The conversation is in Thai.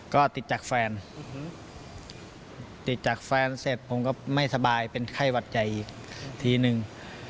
ก็ติดจากแฟนติดจากแฟนเสร็จผมก็ไม่สบายเป็นไข้หวัดใหญ่อีกทีนึง